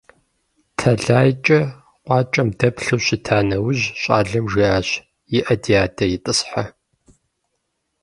ТэлайкӀэ къуакӀэм дэплъэу щыта нэужь, щӀалэм жиӀащ: - ИӀэ, ди адэ, итӀысхьэ.